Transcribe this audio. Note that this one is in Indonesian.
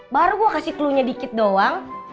baru gue kasih klunya dikit doang